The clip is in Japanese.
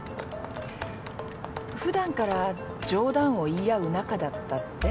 ふだんから冗談を言い合う仲だったって？